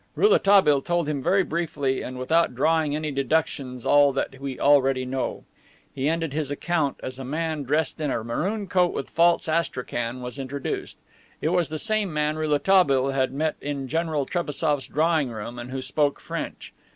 Rouletabille told him very briefly and without drawing any deductions all that we already know. He ended his account as a man dressed in a maroon coat with false astrakhan was introduced. It was the same man Rouletabille had met in General Trebassof's drawing room and who spoke French.